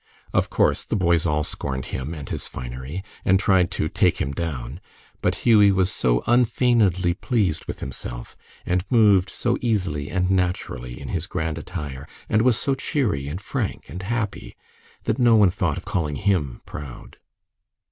Of course the boys all scorned him and his finery, and tried to "take him down," but Hughie was so unfeignedly pleased with himself, and moved so easily and naturally in his grand attire, and was so cheery and frank and happy, that no one thought of calling him "proud."